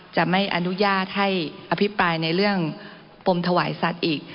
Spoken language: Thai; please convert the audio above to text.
จะไม่อนุญาตให้อภิปรายในเรื่องปมถวายสัตว์อีก